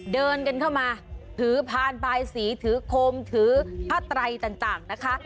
เดินกันเข้ามาถือพานบายสีถือคมถือผ้าไตรต่างนะคะ